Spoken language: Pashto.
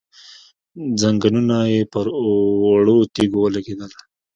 ځنګنونه يې پر وړو تيږو ولګېدل،